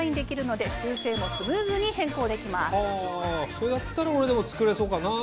それだったら俺でも作れそうかな。